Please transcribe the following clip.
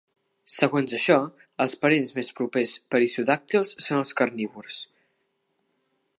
Segons això, els parents més propers perissodàctils són els carnívors.